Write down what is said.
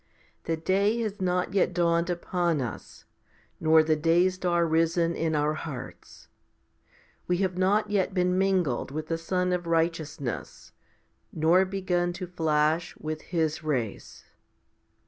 The day has not yet dawned upon us, nor the day star risen in our hearts. 5 We have not yet been mingled with the sun of righteousness? nor begun to flash with His rays.